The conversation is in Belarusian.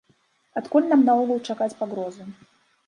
Адкуль нам наогул чакаць пагрозы?